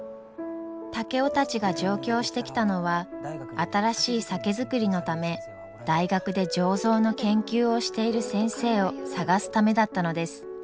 竹雄たちが上京してきたのは新しい酒造りのため大学で醸造の研究をしている先生を探すためだったのです。